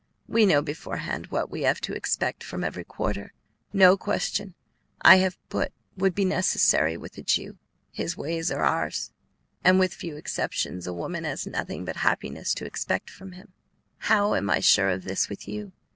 We know beforehand what we have to expect from every quarter. No question I have put would be necessary with a Jew. His ways are ours, and, with few exceptions, a woman has nothing but happiness to expect from him. How am I sure of this with you?